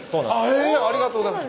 えぇありがとうございます